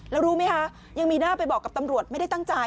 แล้วรู้ไหมคะยังมีหน้าไปบอกกับตำรวจไม่ได้ตั้งใจ